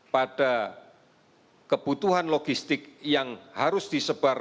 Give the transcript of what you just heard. pada kebutuhan logistik yang harus disebar